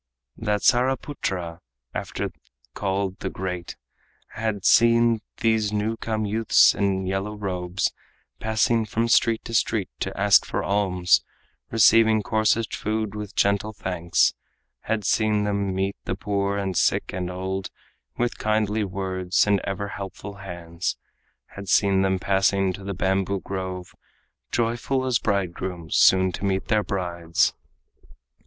That Saraputra after called the Great Had seen these new come youths in yellow robes Passing from street to street to ask for alms, Receiving coarsest food with gentle thanks Had seen them meet the poor and sick and old With kindly words and ever helpful hands Had seen them passing to the bamboo grove Joyful as bridegrooms soon to meet their brides.